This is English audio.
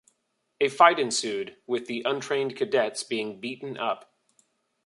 A fight ensued, with the untrained cadets being beaten up.